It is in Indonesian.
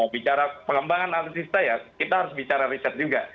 bicara pengembangan analisis saya kita harus bicara riset juga